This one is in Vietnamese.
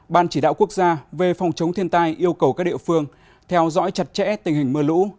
ban chỉ đạo quốc gia về phòng chống thiên tai yêu cầu các địa phương theo dõi chặt chẽ tình hình mưa lũ